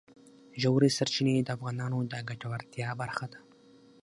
ژورې سرچینې د افغانانو د ګټورتیا برخه ده.